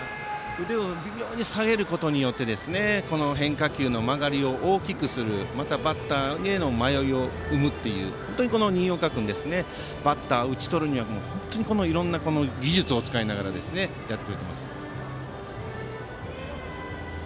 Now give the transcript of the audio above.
腕を微妙に下げることによって変化球の曲がりを大きくするまた、バッターへの迷いを生ませるということで、新岡君はバッターを打ち取るにはいろいろな技術を使いながらやってきています。